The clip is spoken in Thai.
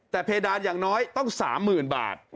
แต่เพดานอย่างน้อยต้อง๓๐๐๐บาท